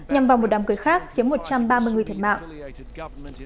nhằm vào một đám cưới khác khiến một trăm ba mươi người thiệt mạng